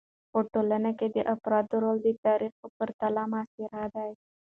په ټولنه کې د افرادو رول د تاریخ په پرتله معاصر دی.